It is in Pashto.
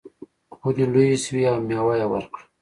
ونې لویې شوې او میوه یې ورکړه.